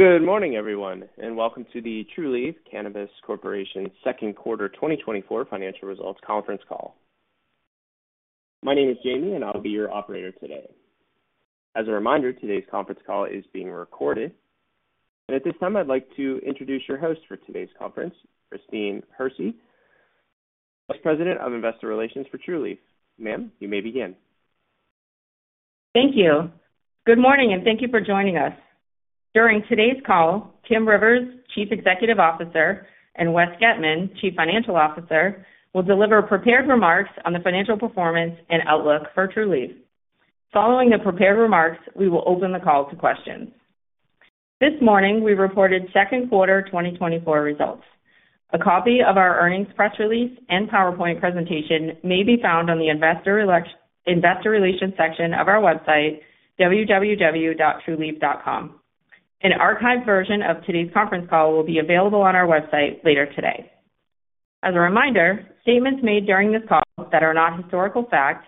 Good morning, everyone, and welcome to the Trulieve Cannabis Corporation Second Quarter 2024 Financial Results conference call. My name is Jamie, and I'll be your operator today. As a reminder, today's conference call is being recorded. And at this time, I'd like to introduce your host for today's conference, Christine Hersey, Vice President of Investor Relations for Trulieve. Ma'am, you may begin. Thank you. Good morning, and thank you for joining us. During today's call, Kim Rivers, Chief Executive Officer, and Wes Getman, Chief Financial Officer, will deliver prepared remarks on the financial performance and outlook for Trulieve. Following the prepared remarks, we will open the call to questions. This morning, we reported second quarter 2024 results. A copy of our earnings press release and PowerPoint presentation may be found on the investor relations section of our website, www.trulieve.com. An archived version of today's conference call will be available on our website later today. As a reminder, statements made during this call that are not historical facts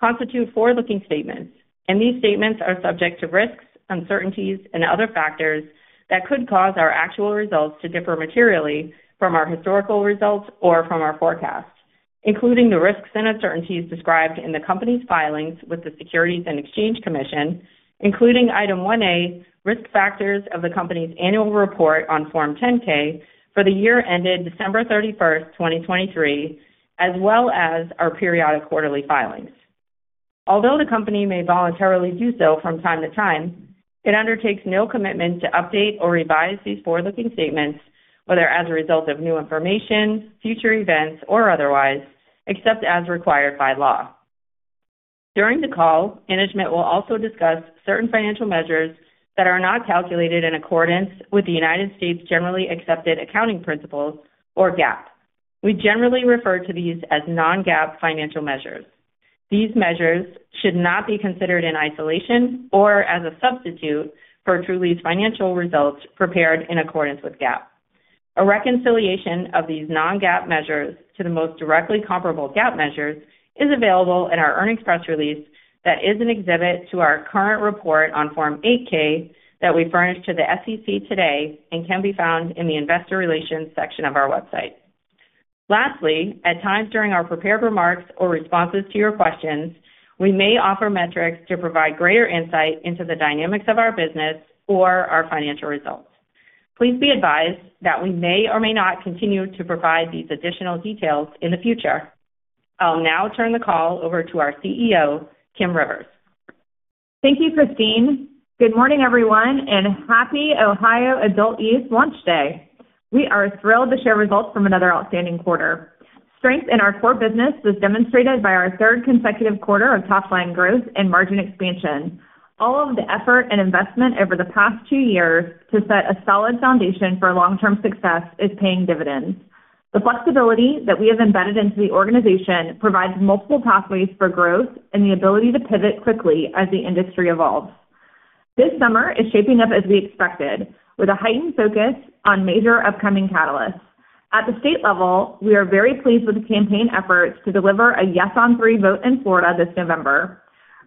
constitute forward-looking statements, and these statements are subject to risks, uncertainties, and other factors that could cause our actual results to differ materially from our historical results or from our forecasts, including the risks and uncertainties described in the company's filings with the Securities and Exchange Commission, including Item 1A, Risk Factors of the company's Annual Report on Form 10-K for the year ended December 31, 2023, as well as our periodic quarterly filings. Although the company may voluntarily do so from time to time, it undertakes no commitment to update or revise these forward-looking statements, whether as a result of new information, future events, or otherwise, except as required by law. During the call, management will also discuss certain financial measures that are not calculated in accordance with the United States generally accepted accounting principles, or GAAP. We generally refer to these as non-GAAP financial measures. These measures should not be considered in isolation or as a substitute for Trulieve's financial results prepared in accordance with GAAP. A reconciliation of these non-GAAP measures to the most directly comparable GAAP measures is available in our earnings press release that is an exhibit to our current report on Form 8-K that we furnished to the SEC today and can be found in the investor relations section of our website. Lastly, at times during our prepared remarks or responses to your questions, we may offer metrics to provide greater insight into the dynamics of our business or our financial results. Please be advised that we may or may not continue to provide these additional details in the future. I'll now turn the call over to our CEO, Kim Rivers. Thank you, Christine. Good morning, everyone, and happy Ohio adult-use launch day. We are thrilled to share results from another outstanding quarter. Strength in our core business was demonstrated by our third consecutive quarter of top-line growth and margin expansion. All of the effort and investment over the past two years to set a solid foundation for long-term success is paying dividends. The flexibility that we have embedded into the organization provides multiple pathways for growth and the ability to pivot quickly as the industry evolves. This summer is shaping up as we expected, with a heightened focus on major upcoming catalysts. At the state level, we are very pleased with the campaign efforts to deliver a Yes on 3 vote in Florida this November.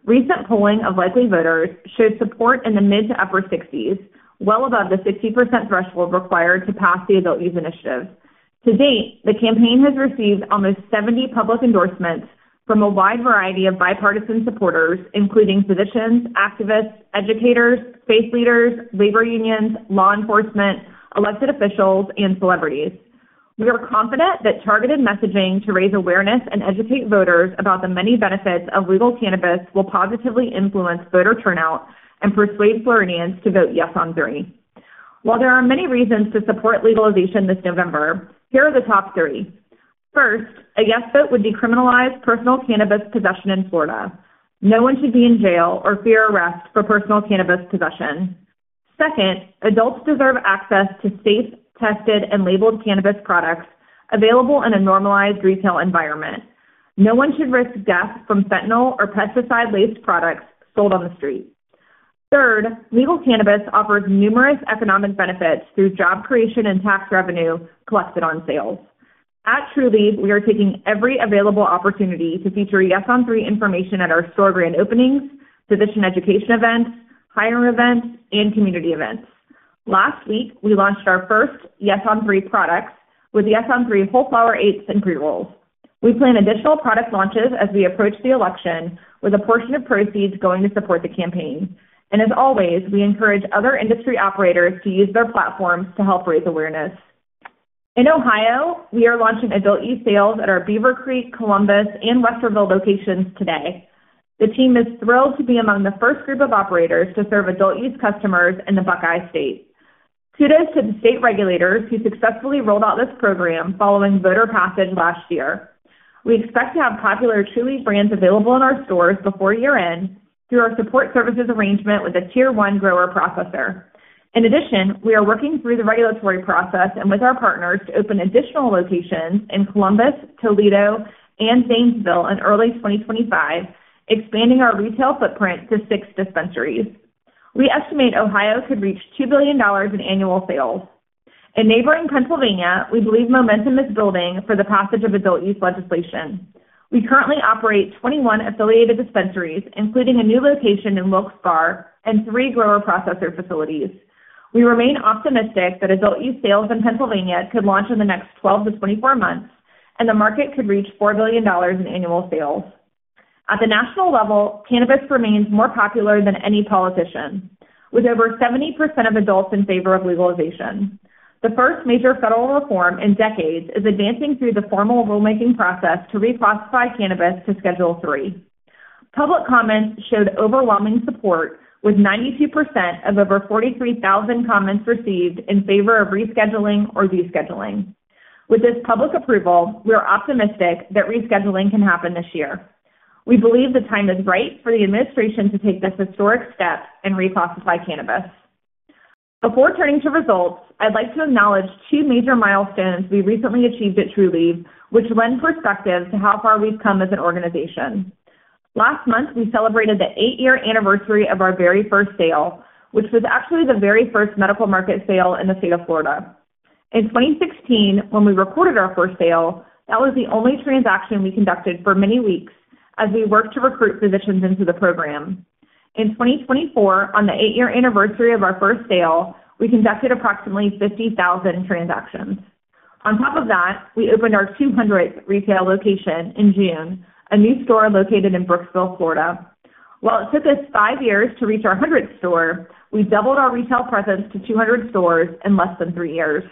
Recent polling of likely voters showed support in the mid- to upper-60s, well above the 60% threshold required to pass the adult-use initiative. To date, the campaign has received almost 70 public endorsements from a wide variety of bipartisan supporters, including physicians, activists, educators, faith leaders, labor unions, law enforcement, elected officials, and celebrities. We are confident that targeted messaging to raise awareness and educate voters about the many benefits of legal cannabis will positively influence voter turnout and persuade Floridians to vote yes on Three. While there are many reasons to support legalization this November, here are the top three: First, a yes vote would decriminalize personal cannabis possession in Florida. No one should be in jail or fear arrest for personal cannabis possession. Second, adults deserve access to safe, tested, and labeled cannabis products available in a normalized retail environment. No one should risk death from fentanyl or pesticide-laced products sold on the street. Third, legal cannabis offers numerous economic benefits through job creation and tax revenue collected on sales. At Trulieve, we are taking every available opportunity to feature Yes on Three information at our store grand openings, physician education events, hiring events, and community events. Last week, we launched our first Yes on Three products with Yes on Three whole flower eighths and pre-rolls. We plan additional product launches as we approach the election, with a portion of proceeds going to support the campaign. As always, we encourage other industry operators to use their platforms to help raise awareness. In Ohio, we are launching adult-use sales at our Beavercreek, Columbus, and Westerville locations today. The team is thrilled to be among the first group of operators to serve adult-use customers in the Buckeye State. Kudos to the state regulators who successfully rolled out this program following voter passage last year. We expect to have popular Trulieve brands available in our stores before year-end through our support services arrangement with a Tier One grower-processor. In addition, we are working through the regulatory process and with our partners to open additional locations in Columbus, Toledo, and Zanesville in early 2025, expanding our retail footprint to six dispensaries. We estimate Ohio could reach $2 billion in annual sales.... In neighboring Pennsylvania, we believe momentum is building for the passage of adult-use legislation. We currently operate 21 affiliated dispensaries, including a new location in Wilkes-Barre, and three grower-processor facilities. We remain optimistic that adult-use sales in Pennsylvania could launch in the next 12-24 months, and the market could reach $4 billion in annual sales. At the national level, cannabis remains more popular than any politician, with over 70% of adults in favor of legalization. The first major federal reform in decades is advancing through the formal rulemaking process to reclassify cannabis to Schedule III. Public comments showed overwhelming support, with 92% of over 43,000 comments received in favor of rescheduling or descheduling. With this public approval, we are optimistic that rescheduling can happen this year. We believe the time is right for the administration to take this historic step and reclassify cannabis. Before turning to results, I'd like to acknowledge two major milestones we recently achieved at Trulieve, which lend perspective to how far we've come as an organization. Last month, we celebrated the 8-year anniversary of our very first sale, which was actually the very first medical market sale in the state of Florida. In 2016, when we recorded our first sale, that was the only transaction we conducted for many weeks as we worked to recruit physicians into the program. In 2024, on the 8-year anniversary of our first sale, we conducted approximately 50,000 transactions. On top of that, we opened our 200th retail location in June, a new store located in Brooksville, Florida. While it took us 5 years to reach our 100th store, we doubled our retail presence to 200 stores in less than 3 years.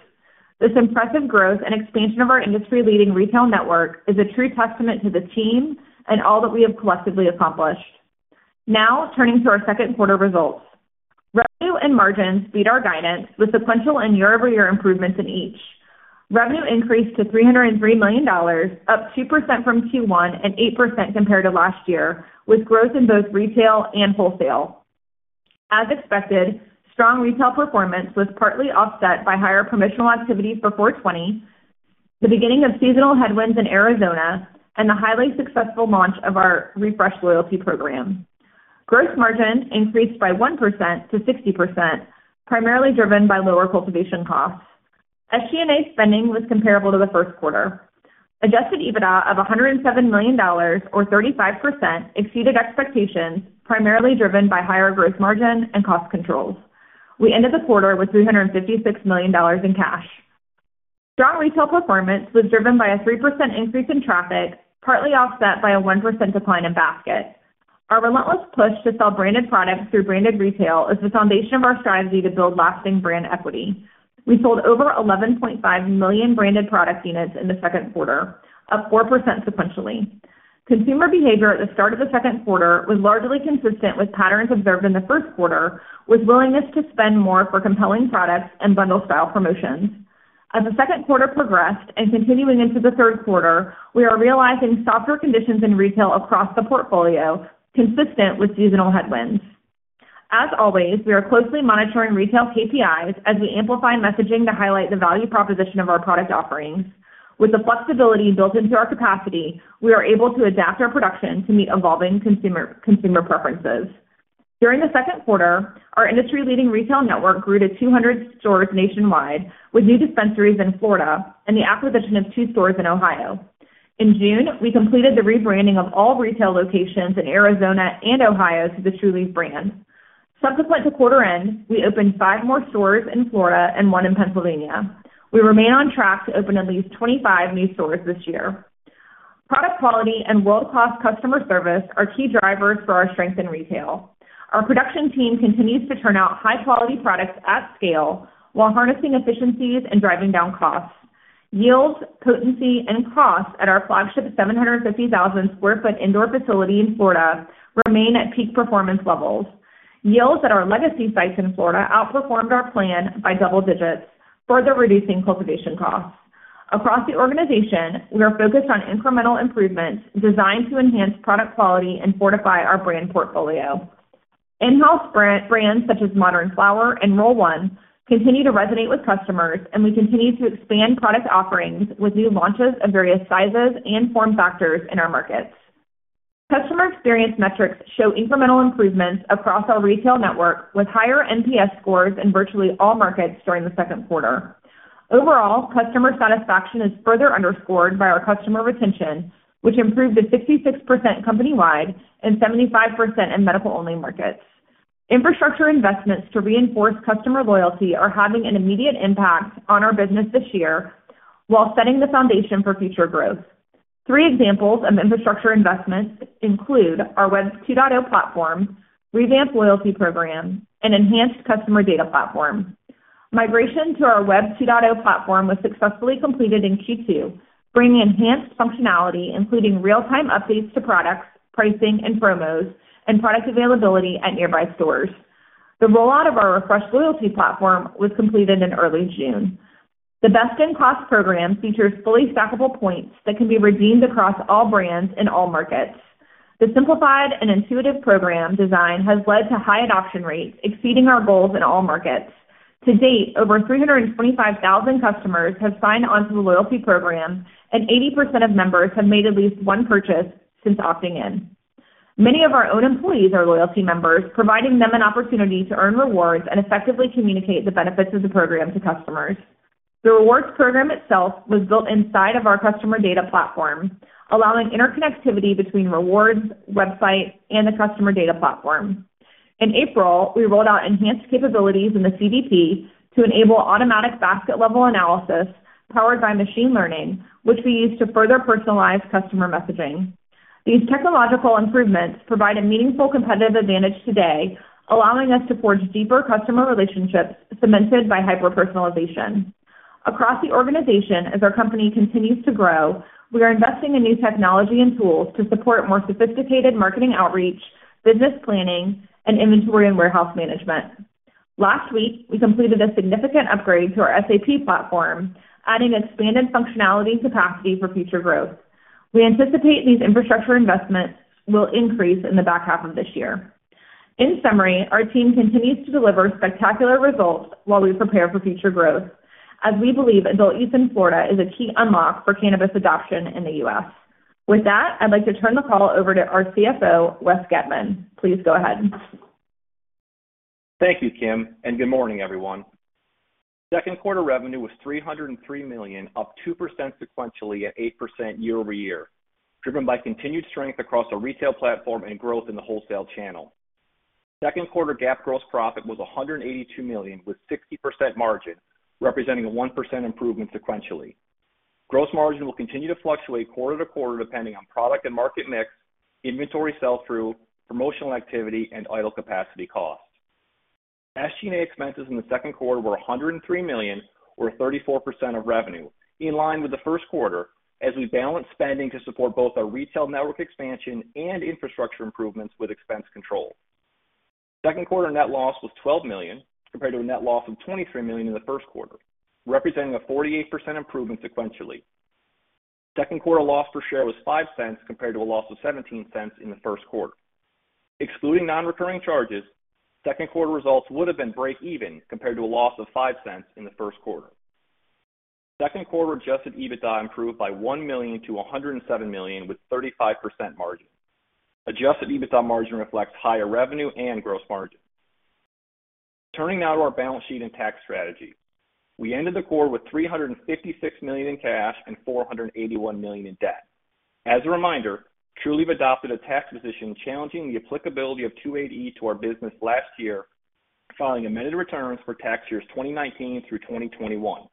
This impressive growth and expansion of our industry-leading retail network is a true testament to the team and all that we have collectively accomplished. Now, turning to our second quarter results. Revenue and margins beat our guidance with sequential and year-over-year improvements in each. Revenue increased to $303 million, up 2% from Q1 and 8% compared to last year, with growth in both retail and wholesale. As expected, strong retail performance was partly offset by higher promotional activity for 4/20, the beginning of seasonal headwinds in Arizona, and the highly successful launch of our refreshed loyalty program. Gross margin increased by 1% to 60%, primarily driven by lower cultivation costs. SG&A spending was comparable to the first quarter. Adjusted EBITDA of $107 million or 35% exceeded expectations, primarily driven by higher gross margin and cost controls. We ended the quarter with $356 million in cash. Strong retail performance was driven by a 3% increase in traffic, partly offset by a 1% decline in basket. Our relentless push to sell branded products through branded retail is the foundation of our strategy to build lasting brand equity. We sold over 11.5 million branded product units in the second quarter, up 4% sequentially. Consumer behavior at the start of the second quarter was largely consistent with patterns observed in the first quarter, with willingness to spend more for compelling products and bundle-style promotions. As the second quarter progressed and continuing into the third quarter, we are realizing softer conditions in retail across the portfolio, consistent with seasonal headwinds. As always, we are closely monitoring retail KPIs as we amplify messaging to highlight the value proposition of our product offerings. With the flexibility built into our capacity, we are able to adapt our production to meet evolving consumer preferences. During the second quarter, our industry-leading retail network grew to 200 stores nationwide, with new dispensaries in Florida and the acquisition of 2 stores in Ohio. In June, we completed the rebranding of all retail locations in Arizona and Ohio to the Trulieve brand. Subsequent to quarter end, we opened 5 more stores in Florida and 1 in Pennsylvania. We remain on track to open at least 25 new stores this year. Product quality and world-class customer service are key drivers for our strength in retail. Our production team continues to turn out high-quality products at scale while harnessing efficiencies and driving down costs. Yields, potency, and costs at our flagship 750,000 sq ft indoor facility in Florida remain at peak performance levels. Yields at our legacy sites in Florida outperformed our plan by double digits, further reducing cultivation costs. Across the organization, we are focused on incremental improvements designed to enhance product quality and fortify our brand portfolio. In-house brands such as Modern Flower and Roll One continue to resonate with customers, and we continue to expand product offerings with new launches of various sizes and form factors in our markets. Customer experience metrics show incremental improvements across our retail network, with higher NPS scores in virtually all markets during the second quarter. Overall, customer satisfaction is further underscored by our customer retention, which improved to 66% company-wide and 75% in medical-only markets. Infrastructure investments to reinforce customer loyalty are having an immediate impact on our business this year while setting the foundation for future growth. 3 examples of infrastructure investments include our Web 2.0 platform, revamped loyalty program, and enhanced customer data platform. Migration to our Web 2.0 platform was successfully completed in Q2, bringing enhanced functionality, including real-time updates to products, pricing and promos, and product availability at nearby stores. The rollout of our refreshed loyalty platform was completed in early June. The best-in-class program features fully stackable points that can be redeemed across all brands in all markets. The simplified and intuitive program design has led to high adoption rates, exceeding our goals in all markets. To date, over 325,000 customers have signed on to the loyalty program, and 80% of members have made at least one purchase since opting in. Many of our own employees are loyalty members, providing them an opportunity to earn rewards and effectively communicate the benefits of the program to customers. The rewards program itself was built inside of our customer data platform, allowing interconnectivity between rewards, website, and the customer data platform. In April, we rolled out enhanced capabilities in the CDP to enable automatic basket-level analysis powered by machine learning, which we use to further personalize customer messaging. These technological improvements provide a meaningful competitive advantage today, allowing us to forge deeper customer relationships cemented by hyper-personalization. Across the organization, as our company continues to grow, we are investing in new technology and tools to support more sophisticated marketing outreach, business planning, and inventory and warehouse management. Last week, we completed a significant upgrade to our SAP platform, adding expanded functionality and capacity for future growth. We anticipate these infrastructure investments will increase in the back half of this year. In summary, our team continues to deliver spectacular results while we prepare for future growth, as we believe adult use in Florida is a key unlock for cannabis adoption in the U.S. With that, I'd like to turn the call over to our CFO, Wes Getman. Please go ahead. Thank you, Kim, and good morning, everyone. Second quarter revenue was $303 million, up 2% sequentially and 8% year-over-year, driven by continued strength across our retail platform and growth in the wholesale channel. Second quarter GAAP gross profit was $182 million, with 60% margin, representing a 1% improvement sequentially. Gross margin will continue to fluctuate quarter to quarter, depending on product and market mix, inventory sell-through, promotional activity, and idle capacity costs. SG&A expenses in the second quarter were $103 million, or 34% of revenue, in line with the first quarter, as we balanced spending to support both our retail network expansion and infrastructure improvements with expense control. Second quarter net loss was $12 million, compared to a net loss of $23 million in the first quarter, representing a 48% improvement sequentially. Second quarter loss per share was $0.05, compared to a loss of $0.17 in the first quarter. Excluding non-recurring charges, second quarter results would have been break even, compared to a loss of $0.05 in the first quarter. Second quarter adjusted EBITDA improved by $1 million to $107 million, with 35% margin. Adjusted EBITDA margin reflects higher revenue and gross margin. Turning now to our balance sheet and tax strategy. We ended the quarter with $356 million in cash and $481 million in debt. As a reminder, Trulieve adopted a tax position challenging the applicability of 280E to our business last year, filing amended returns for tax years 2019 through 2021.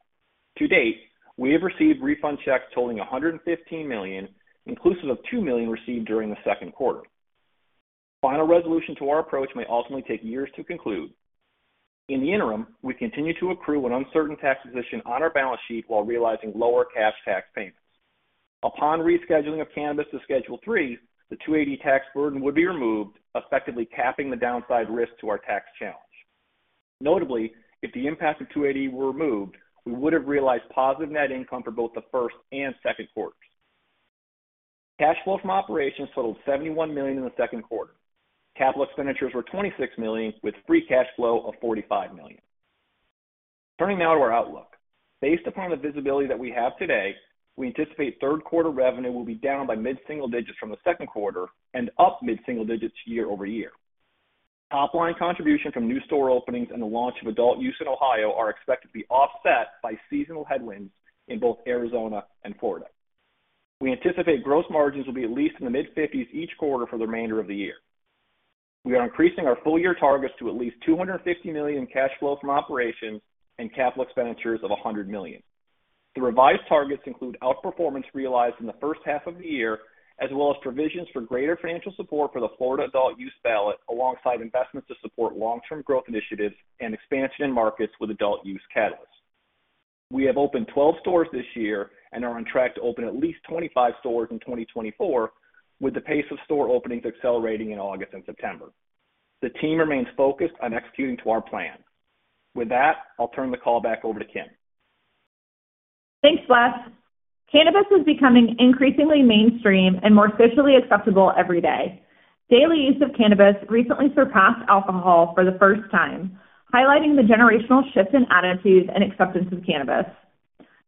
To date, we have received refund checks totaling $115 million, inclusive of $2 million received during the second quarter. Final resolution to our approach may ultimately take years to conclude. In the interim, we continue to accrue an uncertain tax position on our balance sheet while realizing lower cash tax payments. Upon rescheduling of cannabis to Schedule III, the 280E tax burden would be removed, effectively capping the downside risk to our tax challenge. Notably, if the impact of 280E were removed, we would have realized positive net income for both the first and second quarters. Cash flow from operations totaled $71 million in the second quarter. Capital expenditures were $26 million, with free cash flow of $45 million. Turning now to our outlook. Based upon the visibility that we have today, we anticipate third quarter revenue will be down by mid-single digits from the second quarter and up mid-single digits year-over-year. Top-line contribution from new store openings and the launch of adult use in Ohio are expected to be offset by seasonal headwinds in both Arizona and Florida. We anticipate gross margins will be at least in the mid-50s% each quarter for the remainder of the year. We are increasing our full year targets to at least $250 million in cash flow from operations and capital expenditures of $100 million. The revised targets include outperformance realized in the first half of the year, as well as provisions for greater financial support for the Florida adult use ballot, alongside investments to support long-term growth initiatives and expansion in markets with adult use catalysts. We have opened 12 stores this year and are on track to open at least 25 stores in 2024, with the pace of store openings accelerating in August and September. The team remains focused on executing to our plan. With that, I'll turn the call back over to Kim. Thanks, Wes. Cannabis is becoming increasingly mainstream and more socially acceptable every day. Daily use of cannabis recently surpassed alcohol for the first time, highlighting the generational shift in attitudes and acceptance of cannabis.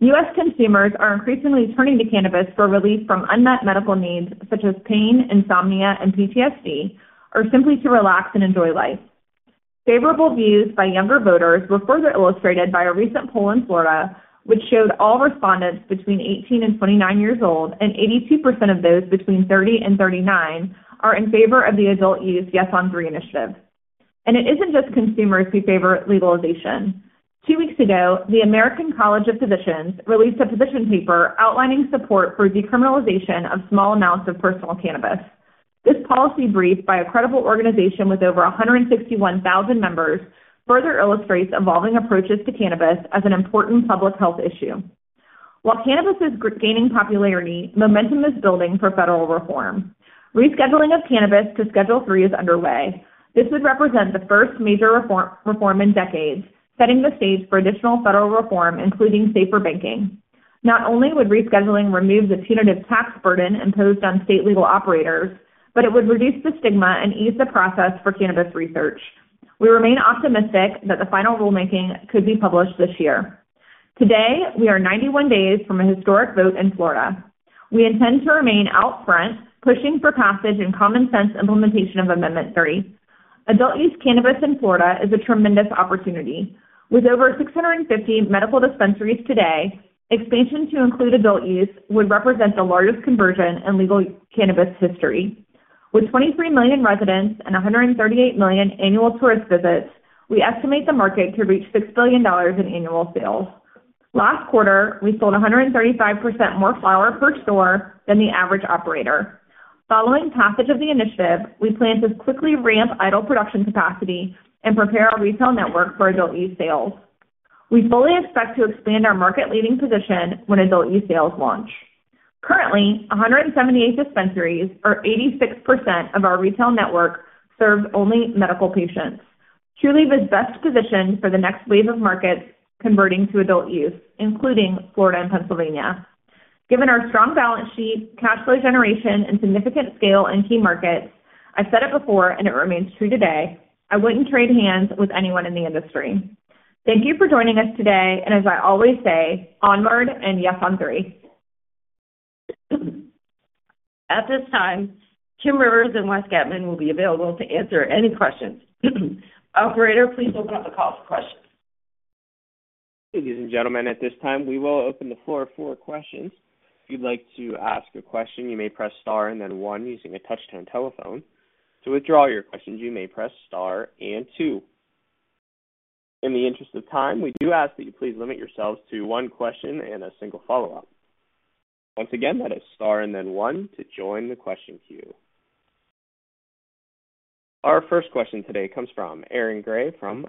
U.S. consumers are increasingly turning to cannabis for relief from unmet medical needs, such as pain, insomnia, and PTSD, or simply to relax and enjoy life. Favorable views by younger voters were further illustrated by a recent poll in Florida, which showed all respondents between 18 and 29 years old, and 82% of those between 30 and 39 are in favor of the adult-use Yes on Three initiative. It isn't just consumers who favor legalization. Two weeks ago, the American College of Physicians released a position paper outlining support for decriminalization of small amounts of personal cannabis. This policy brief by a credible organization with over 161,000 members, further illustrates evolving approaches to cannabis as an important public health issue. While cannabis is gaining popularity, momentum is building for federal reform. Rescheduling of cannabis to Schedule III is underway. This would represent the first major reform in decades, setting the stage for additional federal reform, including safer banking. Not only would rescheduling remove the punitive tax burden imposed on state legal operators, but it would reduce the stigma and ease the process for cannabis research. We remain optimistic that the final rulemaking could be published this year. Today, we are 91 days from a historic vote in Florida. We intend to remain out front, pushing for passage and common sense implementation of Amendment 3. Adult use cannabis in Florida is a tremendous opportunity. With over 650 medical dispensaries today, expansion to include adult use would represent the largest conversion in legal cannabis history. With 23 million residents and 138 million annual tourist visits, we estimate the market to reach $6 billion in annual sales. Last quarter, we sold 135% more flower per store than the average operator. Following passage of the initiative, we plan to quickly ramp idle production capacity and prepare our retail network for adult use sales. We fully expect to expand our market-leading position when adult use sales launch. Currently, 178 dispensaries, or 86% of our retail network, serve only medical patients. Trulieve is best positioned for the next wave of markets converting to adult use, including Florida and Pennsylvania. Given our strong balance sheet, cash flow generation, and significant scale in key markets, I've said it before and it remains true today. I wouldn't trade places with anyone in the industry. Thank you for joining us today, and as I always say, onward and Yes on Three. At this time, Kim Rivers and Wes Getman will be available to answer any questions. Operator, please open up the call for questions. Ladies and gentlemen, at this time, we will open the floor for questions. If you'd like to ask a question, you may press Star and then one using a touchtone telephone. To withdraw your questions, you may press Star and two. In the interest of time, we do ask that you please limit yourselves to one question and a single follow-up. Once again, that is Star and then one to join the question queue. Our first question today comes from Aaron Gray from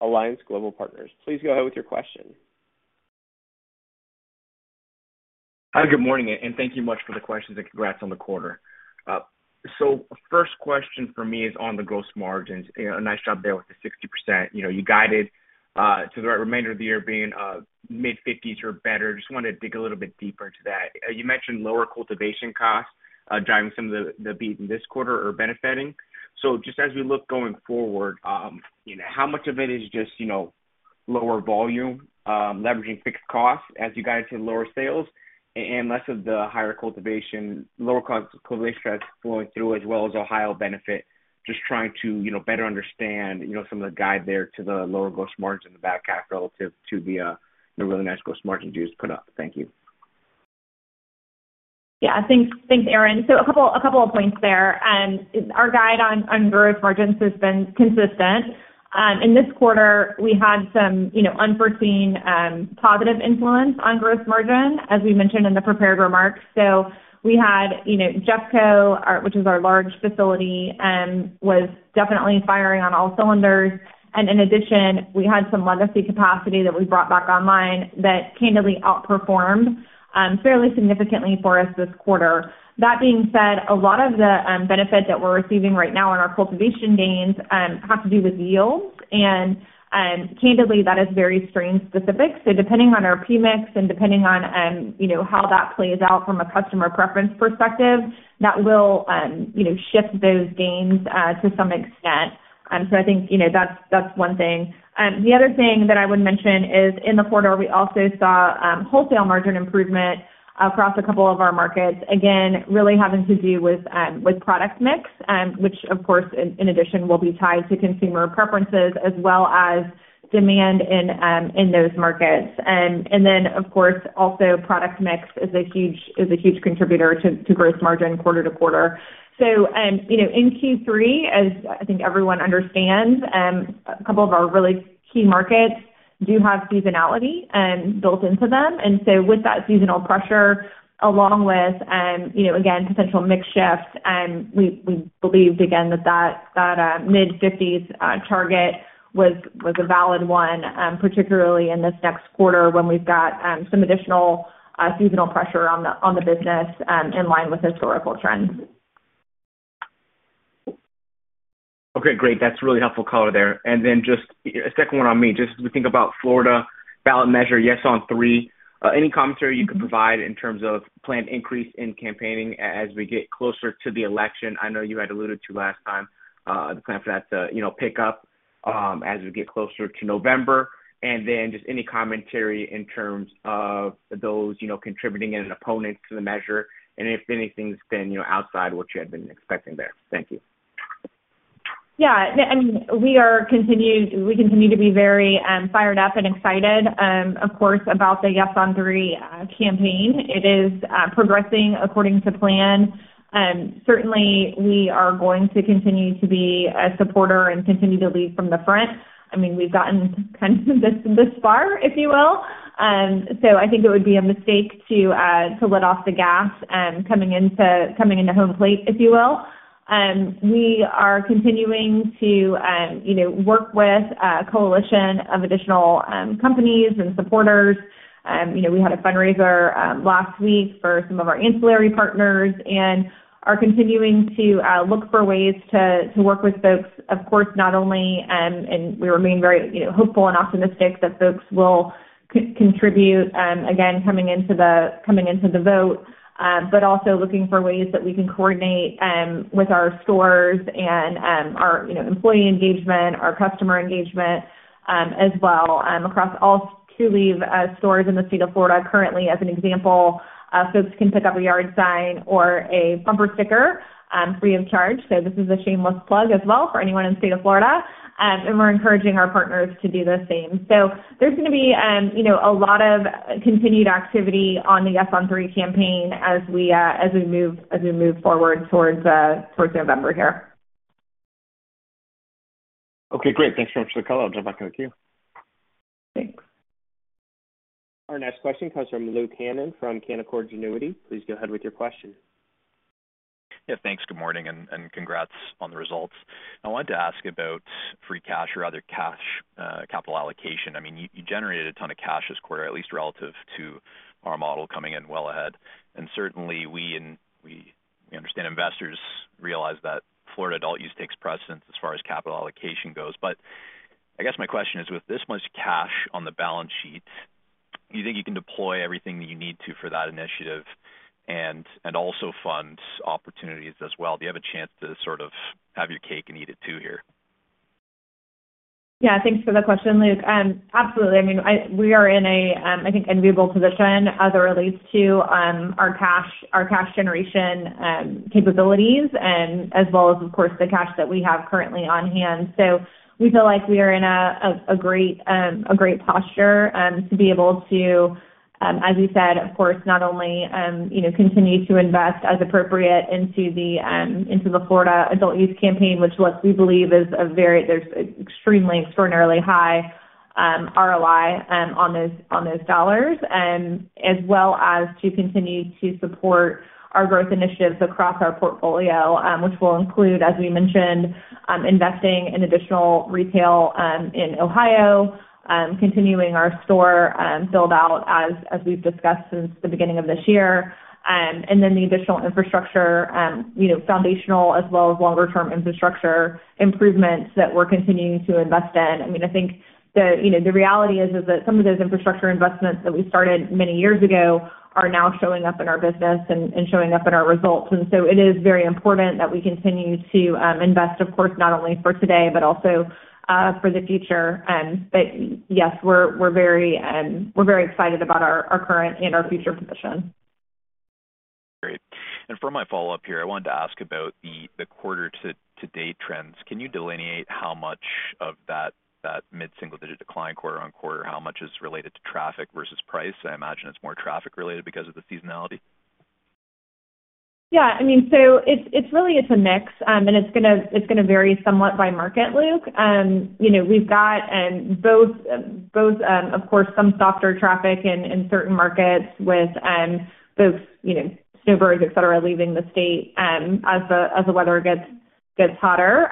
Alliance Global Partners. Please go ahead with your question. Hi, good morning, and thank you much for the questions, and congrats on the quarter. So first question for me is on the gross margins. A nice job there with the 60%. You know, you guided to the remainder of the year being mid-50s% or better. Just wanted to dig a little bit deeper into that. You mentioned lower cultivation costs driving some of the, the beat in this quarter or benefiting. So just as we look going forward, you know, how much of it is just, you know, lower volume leveraging fixed costs as you guide to lower sales and less of the higher cultivation, lower cost cultivation strategies flowing through, as well as Ohio benefit? Just trying to, you know, better understand, you know, some of the guide there to the lower gross margin in the back half relative to the, the really nice gross margin you just put up. Thank you. Yeah, thanks. Thanks, Aaron. So a couple of points there. Our guide on gross margins has been consistent. In this quarter, we had some, you know, unforeseen positive influence on gross margin, as we mentioned in the prepared remarks. So we had, you know, JeffCo, which is our large facility, was definitely firing on all cylinders. And in addition, we had some legacy capacity that we brought back online that candidly outperformed fairly significantly for us this quarter. That being said, a lot of the benefit that we're receiving right now in our cultivation gains have to do with yields. And candidly, that is very strain specific. So depending on our premix and depending on, you know, how that plays out from a customer preference perspective, that will, you know, shift those gains, to some extent. So I think, you know, that's, that's one thing. The other thing that I would mention is in the quarter, we also saw, wholesale margin improvement across a couple of our markets. Again, really having to do with, with product mix, which of course, in, in addition, will be tied to consumer preferences as well as demand in, in those markets. And then of course, also product mix is a huge, is a huge contributor to, to gross margin quarter to quarter. So, you know, in Q3, as I think everyone understands, a couple of our really key markets do have seasonality, built into them. And so with that seasonal pressure, along with, you know, again, potential mix shift, we believed again that that mid-50s target was a valid one, particularly in this next quarter when we've got some additional seasonal pressure on the business, in line with historical trends. Okay, great. That's really helpful color there. And then just a second one on me. Just as we think about Florida ballot measure, Yes on Three, any commentary you could provide in terms of planned increase in campaigning as we get closer to the election? I know you had alluded to last time, the plan for that to, you know, pick up, as we get closer to November. And then just any commentary in terms of those, you know, contributing and opponents to the measure, and if anything's been, you know, outside what you had been expecting there. Thank you. Yeah, and we continue to be very fired up and excited, of course, about the Yes on Three campaign. It is progressing according to plan. Certainly we are going to continue to be a supporter and continue to lead from the front. I mean, we've gotten kind of this far, if you will. So I think it would be a mistake to let off the gas coming into home plate, if you will. We are continuing to, you know, work with a coalition of additional companies and supporters. You know, we had a fundraiser last week for some of our ancillary partners and are continuing to look for ways to work with folks. Of course, not only, and we remain very, you know, hopeful and optimistic that folks will contribute, again, coming into the, coming into the vote, but also looking for ways that we can coordinate with our stores and, our, you know, employee engagement, our customer engagement, as well, across all Trulieve stores in the state of Florida. Currently, as an example, folks can pick up a yard sign or a bumper sticker, free of charge. So this is a shameless plug as well for anyone in the state of Florida. And we're encouraging our partners to do the same. So there's going to be, you know, a lot of continued activity on the Yes on Three campaign as we, as we move, as we move forward towards, towards November here. Okay, great. Thanks so much for the call. I'll jump back in the queue. Thanks. Our next question comes from Luke Hannan from Canaccord Genuity. Please go ahead with your question. Yeah, thanks. Good morning, and congrats on the results. I wanted to ask about free cash or rather cash, capital allocation. I mean, you generated a ton of cash this quarter, at least relative to our model, coming in well ahead. And certainly, we understand investors realize that Florida adult use takes precedence as far as capital allocation goes. But I guess my question is, with this much cash on the balance sheet, do you think you can deploy everything that you need to for that initiative and also fund opportunities as well? Do you have a chance to sort of have your cake and eat it too here? Yeah, thanks for the question, Luke. Absolutely. I mean, we are in a, I think, enviable position as it relates to, our cash, our cash generation, capabilities, and as well as, of course, the cash that we have currently on hand. So we feel like we are in a great posture to be able to, as you said, of course, not only, you know, continue to invest as appropriate into the Florida adult-use campaign, which what we believe is a very—there's extremely extraordinarily high ROI on those dollars, as well as to continue to support our growth initiatives across our portfolio, which will include, as we mentioned, investing in additional retail in Ohio, continuing our store build out as we've discussed since the beginning of this year. And then the additional infrastructure, you know, foundational as well as longer term infrastructure improvements that we're continuing to invest in. I mean, I think the, you know, the reality is, is that some of those infrastructure investments that we started many years ago are now showing up in our business and, and showing up in our results. And so it is very important that we continue to invest, of course, not only for today, but also for the future. But yes, we're, we're very, we're very excited about our, our current and our future position. Great. For my follow-up here, I wanted to ask about the quarter-to-date trends. Can you delineate how much of that mid-single-digit decline quarter-over-quarter, how much is related to traffic versus price? I imagine it's more traffic related because of the seasonality. Yeah, I mean, so it's really a mix, and it's gonna vary somewhat by market, Luke. You know, we've got both, of course, some softer traffic in certain markets with both, you know, snowbirds, et cetera, leaving the state as the weather gets hotter,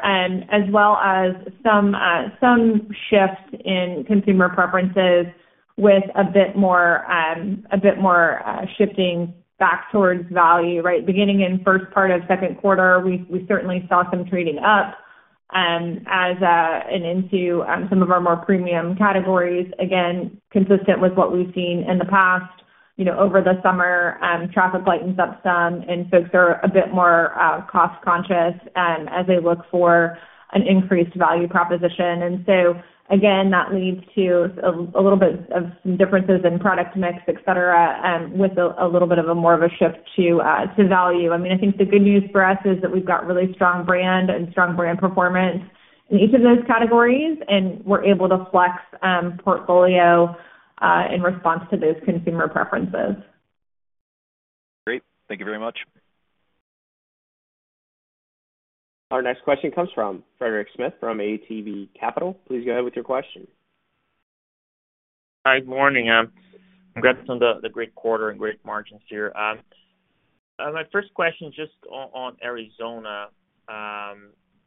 as well as some shift in consumer preferences with a bit more shifting back towards value, right? Beginning in first part of second quarter, we certainly saw some trading up as and into some of our more premium categories. Again, consistent with what we've seen in the past, you know, over the summer, traffic lightens up some, and folks are a bit more cost conscious as they look for an increased value proposition. So again, that leads to a little bit of differences in product mix, et cetera, with a little bit more of a shift to value. I mean, I think the good news for us is that we've got really strong brand and strong brand performance in each of those categories, and we're able to flex portfolio in response to those consumer preferences. Great. Thank you very much. Our next question comes from Frederico Gomes from ATB Capital. Please go ahead with your question. Hi, good morning. Congrats on the great quarter and great margins here. My first question, just on Arizona.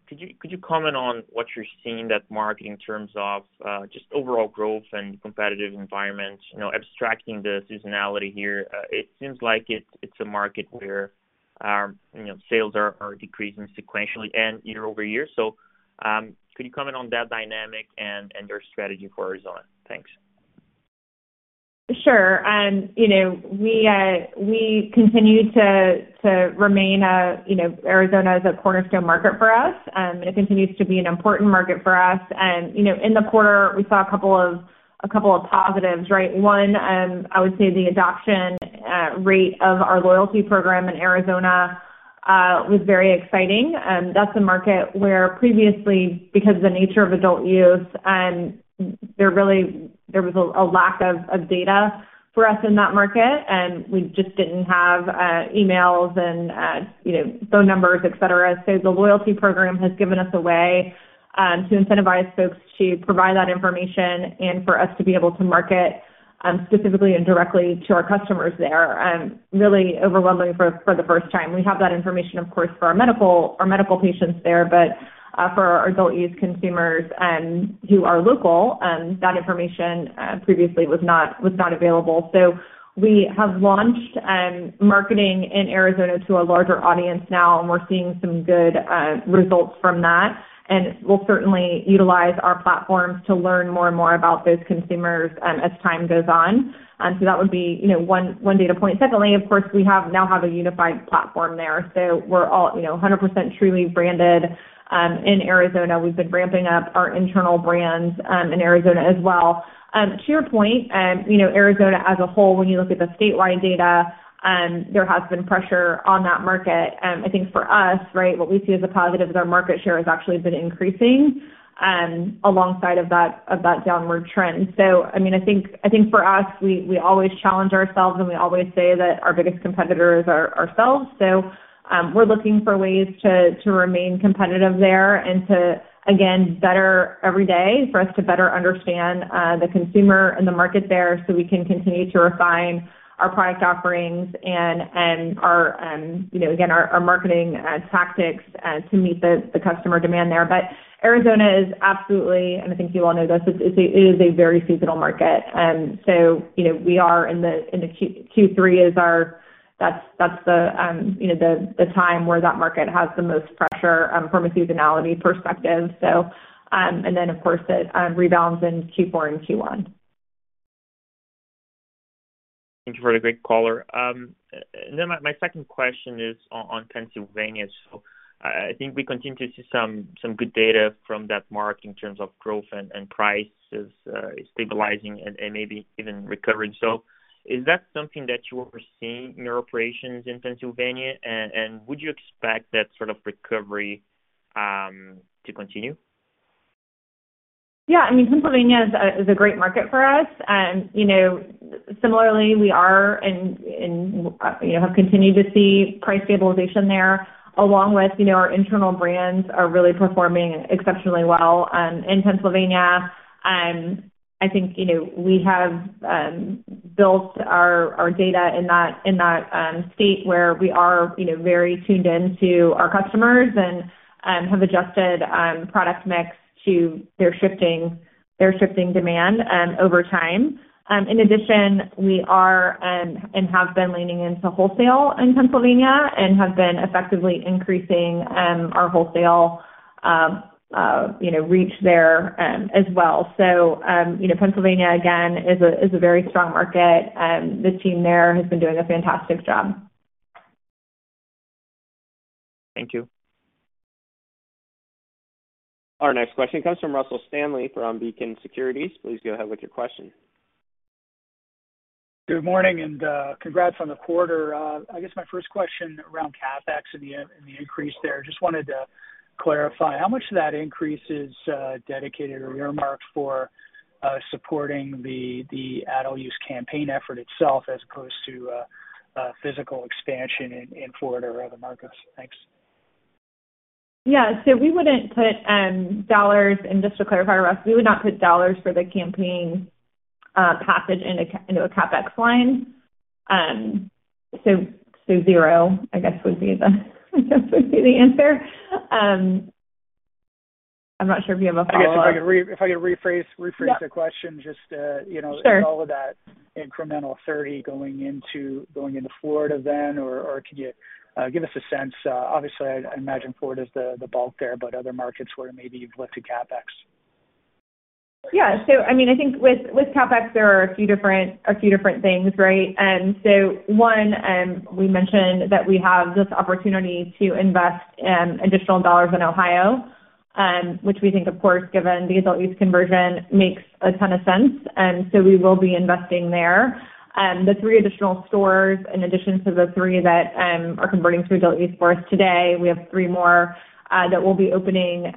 Could you comment on what you're seeing in that market in terms of just overall growth and competitive environment? You know, abstracting the seasonality here, it seems like it's a market where, you know, sales are decreasing sequentially and year over year. So, could you comment on that dynamic and your strategy for Arizona? Thanks. Sure. You know, we continue to remain, you know, Arizona is a cornerstone market for us, and it continues to be an important market for us. And, you know, in the quarter, we saw a couple of positives, right? One, I would say the adoption rate of our loyalty program in Arizona was very exciting. That's a market where previously, because of the nature of adult use, there really was a lack of data for us in that market, and we just didn't have emails and, you know, phone numbers, et cetera. So the loyalty program has given us a way to incentivize folks to provide that information and for us to be able to market specifically and directly to our customers there, really overwhelmingly for the first time. We have that information, of course, for our medical patients there, but for our adult use consumers who are local, that information previously was not available. So we have launched marketing in Arizona to a larger audience now, and we're seeing some good results from that. And we'll certainly utilize our platforms to learn more and more about those consumers as time goes on. So that would be, you know, one data point. Secondly, of course, we now have a unified platform there, so we're all, you know, 100% truly branded in Arizona. We've been ramping up our internal brands in Arizona as well. To your point, you know, Arizona as a whole, when you look at the statewide data, there has been pressure on that market. I think for us, right, what we see as a positive is our market share has actually been increasing, alongside of that downward trend. So I mean, I think for us, we always challenge ourselves, and we always say that our biggest competitors are ourselves. So, we're looking for ways to remain competitive there and to, again, better every day, for us to better understand the consumer and the market there, so we can continue to refine our product offerings and our, you know, again, our marketing tactics to meet the customer demand there. But Arizona is absolutely, and I think you all know this, it's a very seasonal market. So, you know, we are in the Q3. That's the time where that market has the most pressure from a seasonality perspective. So, and then, of course, it rebounds in Q4 and Q1. Thank you for the great color. Then my second question is on Pennsylvania. So I think we continue to see some good data from that market in terms of growth and prices stabilizing and maybe even recovering. So is that something that you are seeing in your operations in Pennsylvania, and would you expect that sort of recovery to continue? Yeah. I mean, Pennsylvania is a great market for us. You know, similarly, we are and have continued to see price stabilization there, along with, you know, our internal brands are really performing exceptionally well in Pennsylvania. I think, you know, we have built our data in that state where we are, you know, very tuned in to our customers and have adjusted product mix to their shifting demand over time. In addition, we are and have been leaning into wholesale in Pennsylvania and have been effectively increasing our wholesale reach there as well. So, you know, Pennsylvania, again, is a very strong market. The team there has been doing a fantastic job. Thank you. Our next question comes from Russell Stanley from Beacon Securities. Please go ahead with your question. Good morning, and, congrats on the quarter. I guess my first question around CapEx and the increase there. Just wanted to clarify, how much of that increase is dedicated or earmarked for physical expansion in Florida or other markets? Thanks. Yeah. So we wouldn't put dollars, and just to clarify, Russ, we would not put dollars for the campaign passage into a CapEx line. So 0, I guess, would be the answer. I'm not sure if you have a follow-up. I guess if I could rephrase. Yeah the question, just, you know Sure. Is all of that incremental 30 going into Florida then, or could you give us a sense? Obviously, I imagine Florida is the bulk there, but other markets where maybe you've looked to CapEx. Yeah. So I mean, I think with CapEx, there are a few different things, right? So one, we mentioned that we have this opportunity to invest additional dollars in Ohio, which we think, of course, given the adult-use conversion, makes a ton of sense, so we will be investing there. The three additional stores, in addition to the three that are converting to adult-use for us today, we have three more that will be opening,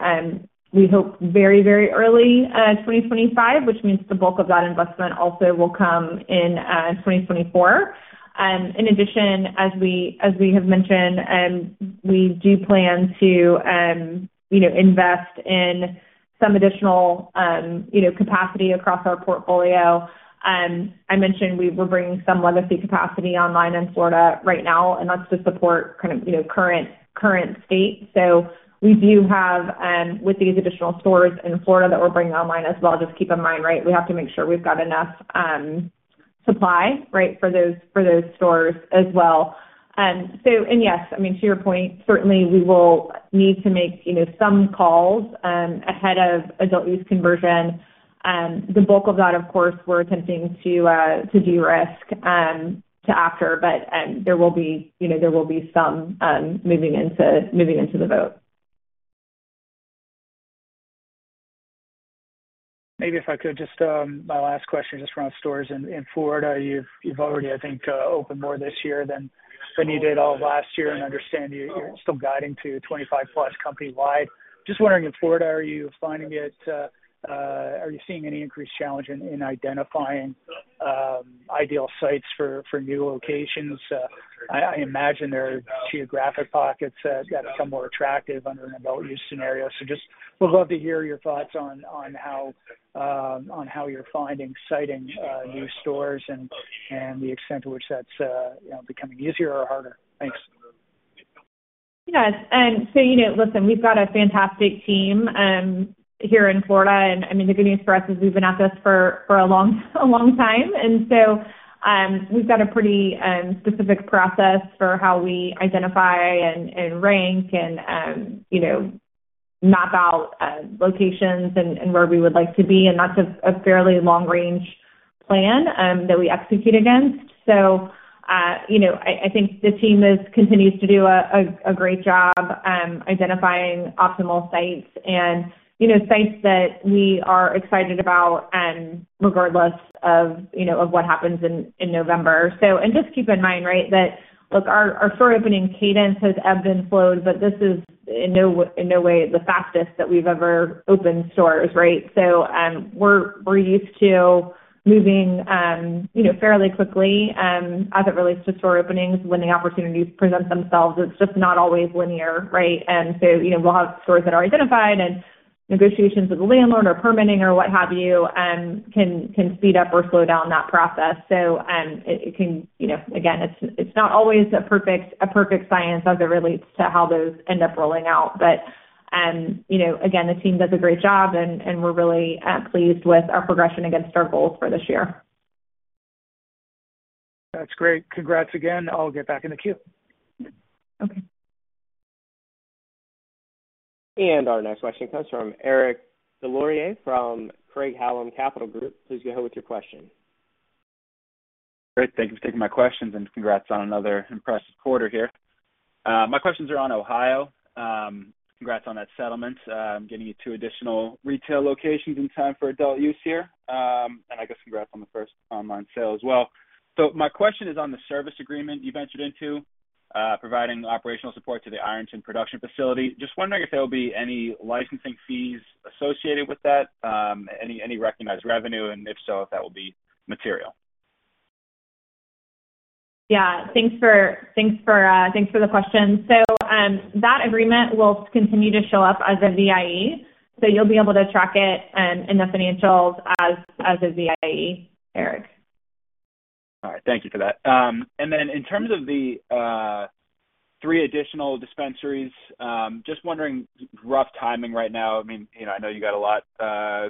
we hope, very, very early, 2025, which means the bulk of that investment also will come in, 2024. In addition, as we have mentioned, we do plan to, you know, invest in some additional, you know, capacity across our portfolio. I mentioned we were bringing some legacy capacity online in Florida right now, and that's to support kind of, you know, current, current state. So we do have, with these additional stores in Florida that we're bringing online as well, just keep in mind, right, we have to make sure we've got enough, supply, right, for those, for those stores as well. So and yes, I mean, to your point, certainly we will need to make, you know, some calls, ahead of adult-use conversion. The bulk of that, of course, we're attempting to, to de-risk, to after, but, there will be, you know, there will be some, moving into, moving into the vote. Maybe if I could just, my last question, just around stores in Florida. You've already, I think, opened more this year than you did all of last year, and I understand you're still guiding to 25+ company-wide. Just wondering, in Florida, are you finding it, are you seeing any increased challenge in identifying ideal sites for new locations? I imagine there are geographic pockets that have become more attractive under an adult-use scenario. So just would love to hear your thoughts on how you're finding siting new stores and the extent to which that's you know, becoming easier or harder. Thanks. Yes. So you know, listen, we've got a fantastic team here in Florida, and I mean, the good news for us is we've been at this for a long time. So we've got a pretty specific process for how we identify and rank and you know, map out locations and where we would like to be, and that's a fairly long-range plan that we execute against. You know, I think the team continues to do a great job identifying optimal sites and sites that we are excited about, regardless of what happens in November. So, just keep in mind, right, that look, our store opening cadence has ebbed and flowed, but this is in no way the fastest that we've ever opened stores, right? So, we're used to moving, you know, fairly quickly, as it relates to store openings, when the opportunities present themselves. It's just not always linear, right? And so, you know, we'll have stores that are identified and negotiations with the landlord or permitting or what have you can speed up or slow down that process. So, it can, you know, again, it's not always a perfect science as it relates to how those end up rolling out. But, you know, again, the team does a great job, and we're really pleased with our progression against our goals for this year. That's great. Congrats again. I'll get back in the queue. Okay. Our next question comes from Eric Deslauriers from Craig-Hallum Capital Group. Please go ahead with your question. Great, thank you for taking my questions, and congrats on another impressive quarter here. My questions are on Ohio. Congrats on that settlement. Getting you two additional retail locations in time for adult use here. And I guess congrats on the first online sale as well. So my question is on the service agreement you ventured into, providing operational support to the Ironton production facility. Just wondering if there will be any licensing fees associated with that, any, any recognized revenue, and if so, if that will be material? Yeah, thanks for the question. So, that agreement will continue to show up as a VIE. So you'll be able to track it in the financials as a VIE, Eric. All right, thank you for that. And then in terms of the three additional dispensaries, just wondering, rough timing right now. I mean, you know, I know you got a lot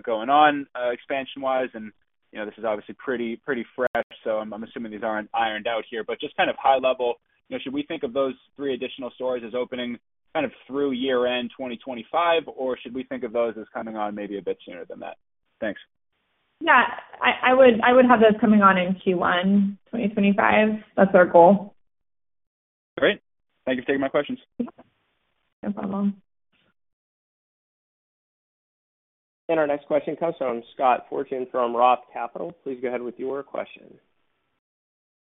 going on expansion-wise, and, you know, this is obviously pretty fresh, so I'm assuming these aren't ironed out here. But just kind of high level, you know, should we think of those three additional stores as opening kind of through year-end 2025? Or should we think of those as coming on maybe a bit sooner than that? Thanks. Yeah. I would have those coming on in Q1, 2025. That's our goal. Great. Thank you for taking my questions. No problem. Our next question comes from Scott Fortune from Roth MKM. Please go ahead with your question.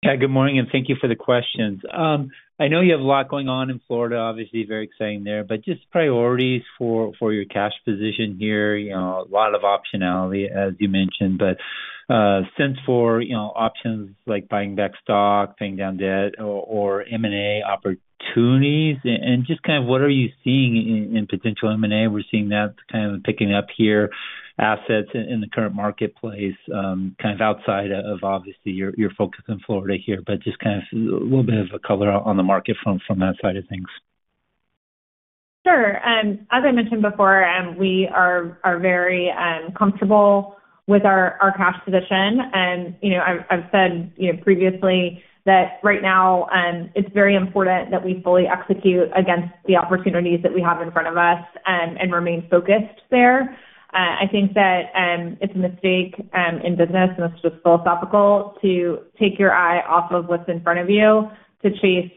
Yeah, good morning, and thank you for the questions. I know you have a lot going on in Florida, obviously very exciting there, but just priorities for your cash position here, you know, a lot of optionality, as you mentioned. But, since for, you know, options like buying back stock, paying down debt or M&A opportunities, and just kind of what are you seeing in potential M&A? We're seeing that kind of picking up here, assets in the current marketplace, kind of outside of, obviously, your focus in Florida here, but just kind of a little bit of a color on the market from that side of things. Sure. As I mentioned before, we are very comfortable with our cash position. You know, I've said previously that right now, it's very important that we fully execute against the opportunities that we have in front of us and remain focused there. I think that it's a mistake in business, and this is just philosophical, to take your eye off of what's in front of you to chase,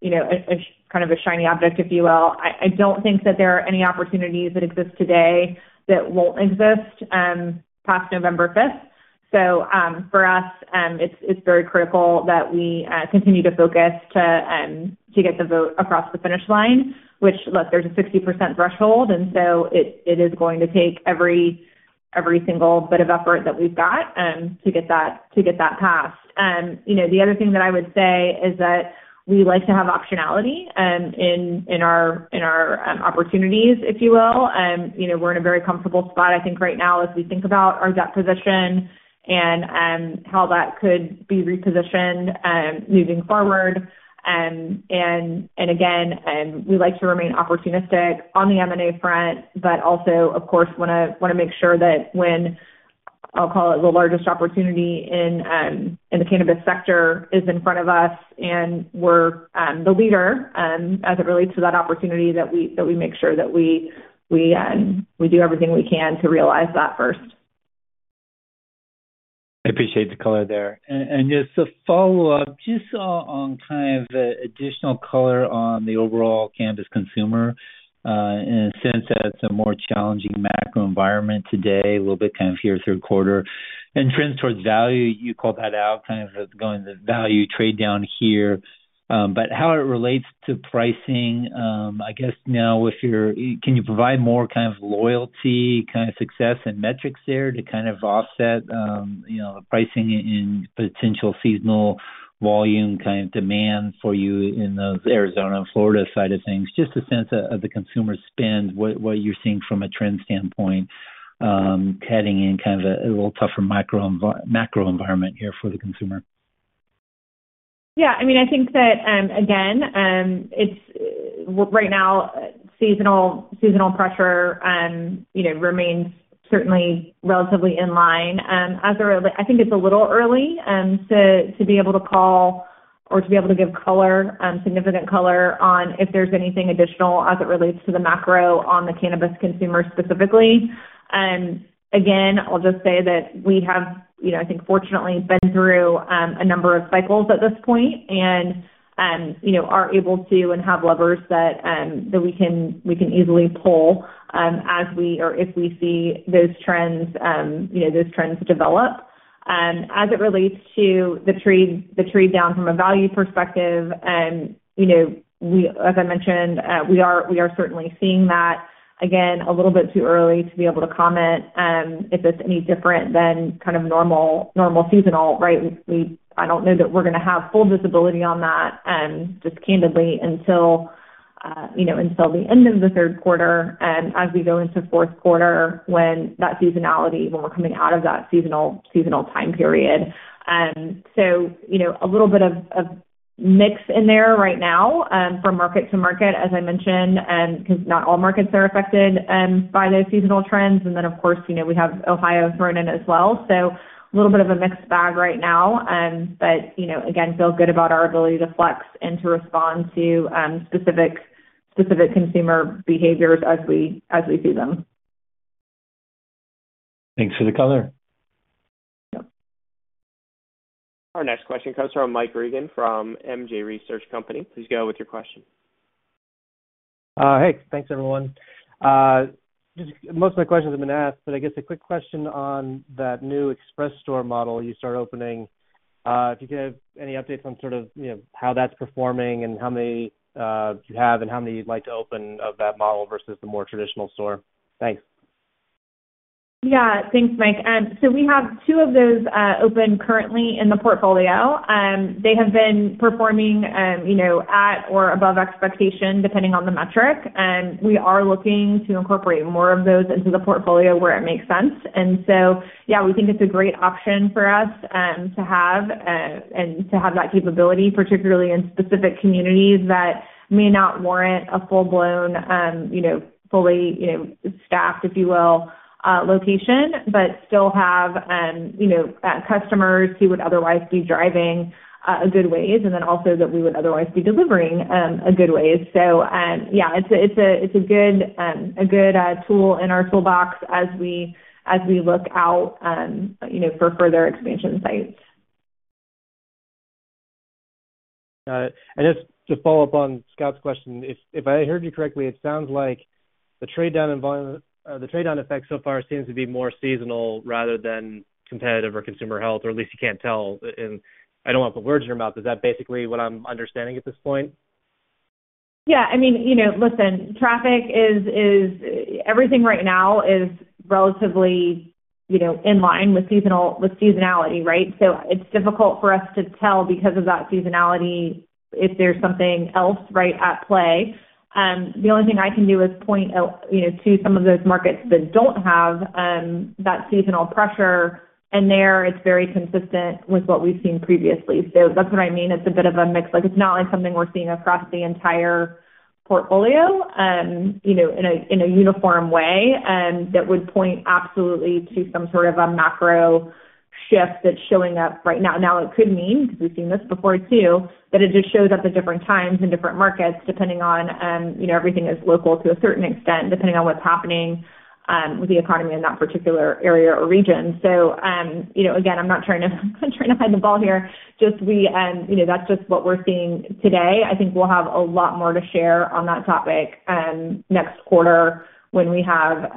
you know, a kind of a shiny object, if you will. I don't think that there are any opportunities that exist today that won't exist past November fifth. So, for us, it's very critical that we continue to focus to get the vote across the finish line, which, look, there's a 60% threshold, and so it is going to take every single bit of effort that we've got to get that passed. You know, the other thing that I would say is that we like to have optionality in our opportunities, if you will. You know, we're in a very comfortable spot, I think, right now, as we think about our debt position and how that could be repositioned moving forward. And again, we like to remain opportunistic on the M&A front, but also, of course, wanna make sure that when I'll call it the largest opportunity in the cannabis sector is in front of us, and we're the leader as it relates to that opportunity, that we do everything we can to realize that first. I appreciate the color there. And just a follow-up, just on kind of the additional color on the overall cannabis consumer, in a sense that it's a more challenging macro environment today, a little bit kind of here through quarter. And trends towards value, you called that out, kind of going the value trade down here. But how it relates to pricing, I guess now with your-- Can you provide more kind of loyalty, kind of success and metrics there to kind of offset, you know, pricing in potential seasonal volume, kind of demand for you in the Arizona and Florida side of things? Just a sense of the consumer spend, what you're seeing from a trend standpoint, heading in kind of a little tougher macro environment here for the consumer. Yeah, I mean, I think that, again, it's right now, seasonal, seasonal pressure, you know, remains certainly relatively in line. As it relates, I think it's a little early, to be able to call... or to be able to give color, significant color on if there's anything additional as it relates to the macro on the cannabis consumer specifically. And again, I'll just say that we have, you know, I think fortunately been through, a number of cycles at this point and, you know, are able to and have levers that, that we can, we can easily pull, as we or if we see those trends, you know, those trends develop. As it relates to the trade, the trade down from a value perspective and, you know, as I mentioned, we are certainly seeing that, again, a little bit too early to be able to comment if it's any different than kind of normal seasonal, right? I don't know that we're gonna have full visibility on that, just candidly until, you know, until the end of the third quarter, as we go into fourth quarter, when that seasonality, when we're coming out of that seasonal time period. So, you know, a little bit of mix in there right now, from market to market, as I mentioned, 'cause not all markets are affected by those seasonal trends. And then, of course, you know, we have Ohio thrown in as well. A little bit of a mixed bag right now, but, you know, again, feel good about our ability to flex and to respond to specific consumer behaviors as we see them. Thanks for the color. Yep. Our next question comes from Mike Regan from MJResearchCo. Please go with your question. Hey, thanks, everyone. Just most of my questions have been asked, but I guess a quick question on that new Express store model you start opening, if you could give any updates on sort of, you know, how that's performing and how many do you have and how many you'd like to open of that model versus the more traditional store? Thanks. Yeah, thanks, Mike. So we have two of those open currently in the portfolio. They have been performing, you know, at or above expectation, depending on the metric, and we are looking to incorporate more of those into the portfolio where it makes sense. And so, yeah, we think it's a great option for us to have and to have that capability, particularly in specific communities that may not warrant a full-blown, you know, fully, you know, staffed, if you will, location, but still have, you know, customers who would otherwise be driving a good ways, and then also that we would otherwise be delivering a good way. So, yeah, it's a good tool in our toolbox as we look out, you know, for further expansion sites. Got it. And just to follow up on Scott's question, if I heard you correctly, it sounds like the trade down environment, the trade down effect so far seems to be more seasonal rather than competitive or consumer health, or at least you can't tell. And I don't want to put words in your mouth, is that basically what I'm understanding at this point? Yeah, I mean, you know, listen, traffic is everything right now is relatively, you know, in line with seasonal, with seasonality, right? So it's difficult for us to tell because of that seasonality, if there's something else right at play. The only thing I can do is point out, you know, to some of those markets that don't have that seasonal pressure, and there it's very consistent with what we've seen previously. So that's what I mean. It's a bit of a mix. Like, it's not like something we're seeing across the entire portfolio, you know, in a uniform way, that would point absolutely to some sort of a macro shift that's showing up right now. Now, it could mean, because we've seen this before, too, that it just shows up at different times in different markets, depending on, you know, everything is local to a certain extent, depending on what's happening, with the economy in that particular area or region. So, you know, again, I'm not trying to hide the ball here, just, we, you know, that's just what we're seeing today. I think we'll have a lot more to share on that topic, next quarter when we have,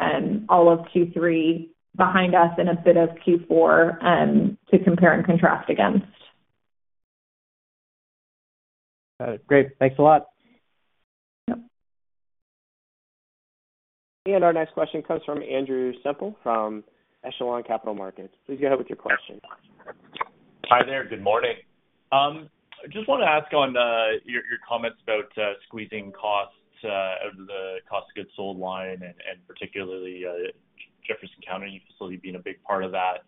all of Q3 behind us and a bit of Q4, to compare and contrast against. Got it. Great. Thanks a lot. Yep. Our next question comes from Andrew Semple, from Echelon Capital Markets. Please go ahead with your question. Hi there. Good morning. I just want to ask on, your, your comments about, squeezing costs, out of the cost of goods sold line and, and particularly, Jefferson County facility being a big part of that.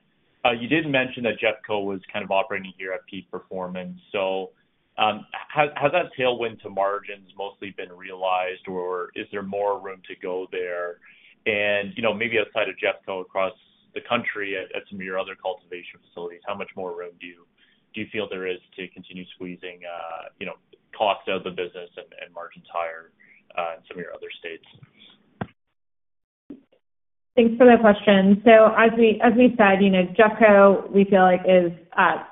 You did mention that JeffCo was kind of operating here at peak performance, so, has, that tailwind to margins mostly been realized, or is there more room to go there? And, you know, maybe outside of JeffCo, across the country at, some of your other cultivation facilities, how much more room do you, do you feel there is to continue squeezing, you know, costs out of the business and, and margins higher, in some of your other states? Thanks for that question. So as we, as we said, you know, JeffCo, we feel like is at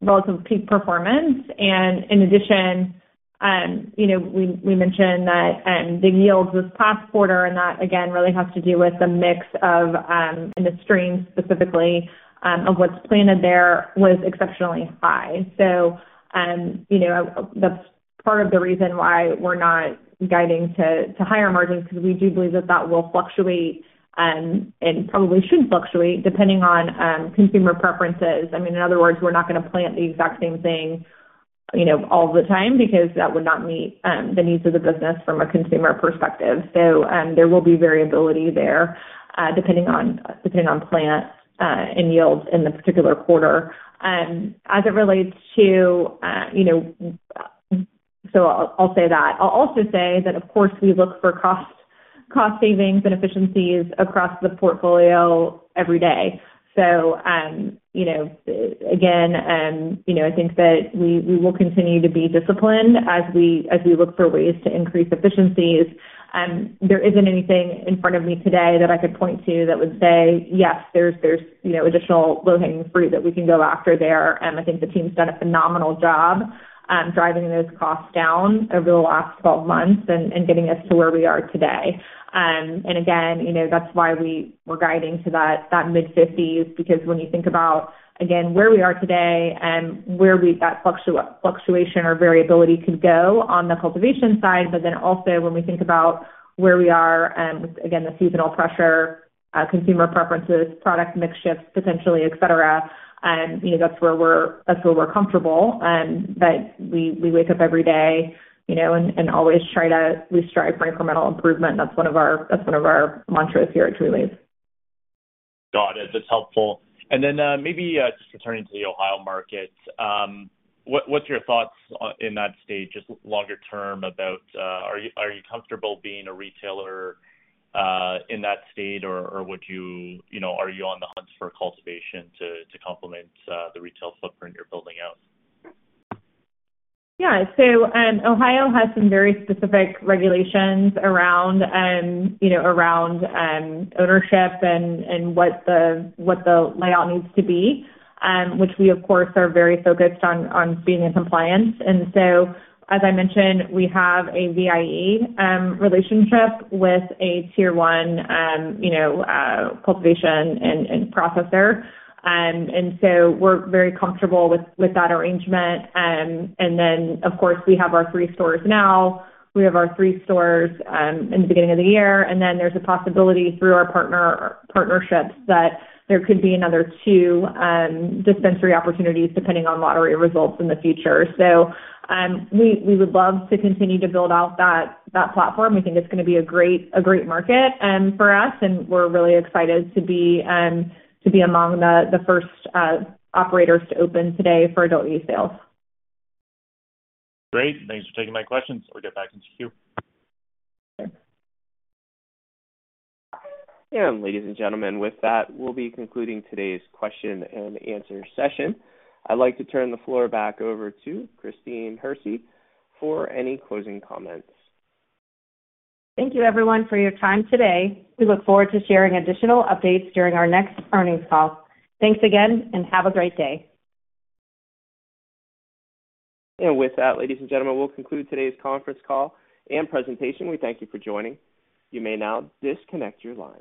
relative peak performance, and in addition, you know, we, we mentioned that the yields this past quarter, and that again really has to do with the mix of in the stream specifically of what's planted there was exceptionally high. So you know, that's part of the reason why we're not guiding to, to higher margins, because we do believe that that will fluctuate and probably should fluctuate, depending on consumer preferences. I mean, in other words, we're not gonna plant the exact same thing, you know, all the time, because that would not meet the needs of the business from a consumer perspective. So there will be variability there, depending on, depending on plant and yields in the particular quarter. As it relates to, you know, so I'll say that. I'll also say that, of course, we look for cost savings and efficiencies across the portfolio every day. So, you know, again, you know, I think that we will continue to be disciplined as we look for ways to increase efficiencies. There isn't anything in front of me today that I could point to that would say, yes, there's, you know, additional low-hanging fruit that we can go after there. I think the team's done a phenomenal job, driving those costs down over the last 12 months and getting us to where we are today. And again, you know, that's why we were guiding to that mid-50s, because when you think about, again, where we are today and where we've fluctuation or variability could go on the cultivation side, but then also when we think about where we are with, again, the seasonal pressure, consumer preferences, product mix shifts, potentially, et cetera, you know, that's where we're comfortable. But we wake up every day, you know, and always try to—we strive for incremental improvement. That's one of our mantras here at Trulieve. Got it. That's helpful. And then, maybe, just to turn into the Ohio market, what, what's your thoughts in that state, just longer term, about, are you, are you comfortable being a retailer in that state, or, or would you—you know, are you on the hunt for cultivation to complement the retail footprint you're building out? Yeah. So, Ohio has some very specific regulations around, you know, around, ownership and, and what the, what the layout needs to be, which we, of course, are very focused on, on being in compliance. And so, as I mentioned, we have a VIE relationship with a Tier One, you know, cultivation and, and processor. And so we're very comfortable with, with that arrangement. And then, of course, we have our three stores now. We have our three stores in the beginning of the year, and then there's a possibility through our partner, partnerships, that there could be another two dispensary opportunities, depending on lottery results in the future. So, we, we would love to continue to build out that, that platform. We think it's gonna be a great market for us, and we're really excited to be among the first operators to open today for adult-use sales. Great. Thanks for taking my questions. I'll get back into queue. Okay. Ladies and gentlemen, with that, we'll be concluding today's question and answer session. I'd like to turn the floor back over to Christine Hersey for any closing comments. Thank you, everyone, for your time today. We look forward to sharing additional updates during our next earnings call. Thanks again, and have a great day. With that, ladies and gentlemen, we'll conclude today's conference call and presentation. We thank you for joining. You may now disconnect your lines.